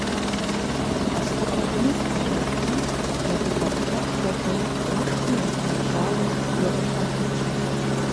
Къэслъыхъуэжыну сыкъыщӀэкӀмэ – джэду гъэпскӀам хуэдэу уэшхым иуфэнщӀауэ бжэӀупэм Ӏутщ.